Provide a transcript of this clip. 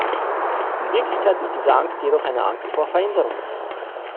In Wirklichkeit ist diese Angst jedoch eine Angst vor Veränderungen.